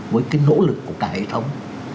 với cái nỗ lực của cả hệ thống